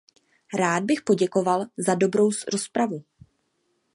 Rád bych poděkoval za dobrou rozpravu.